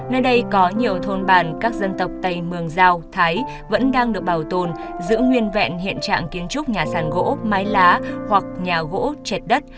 nơi đây có nhiều thôn bản các dân tộc tây mường giao thái vẫn đang được bảo tồn giữ nguyên vẹn hiện trạng kiến trúc nhà sàn gỗ mái lá hoặc nhà gỗ chẹt đất